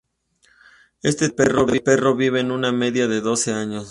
Este tipo de perro vive una media de doce años.